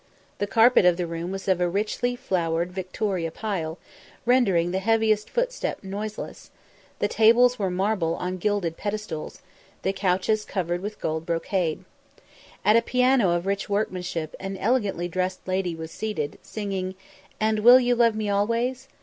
The carpet of the room was of richly flowered Victoria pile, rendering the heaviest footstep noiseless; the tables were marble on gilded pedestals, the couches covered with gold brocade. At a piano of rich workmanship an elegantly dressed lady was seated, singing "And will you love me always?"